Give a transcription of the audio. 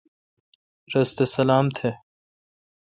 رس تھ سلام تھ۔